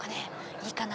いいかな？